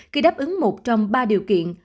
khi đáp ứng một trong ba điều kiện